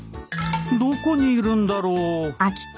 どこにいるんだろう